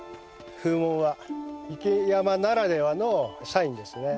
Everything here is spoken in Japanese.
風紋は雪山ならではのサインですね。